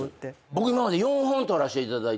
僕今まで４本撮らせていただいてて。